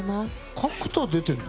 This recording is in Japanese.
角田、出てるの？